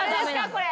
これ。